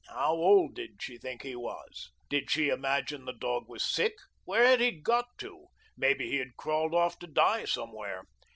How old did she think he was? Did she imagine the dog was sick? Where had he got to? Maybe he had crawled off to die somewhere.